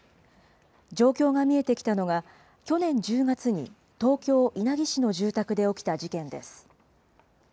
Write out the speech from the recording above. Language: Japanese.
状況が見えてきたのが、去年１０月に東京・稲城市の住宅で起きた事件です。